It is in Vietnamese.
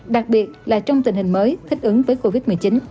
đặc biệt là trong tình hình mới thích ứng với covid một mươi chín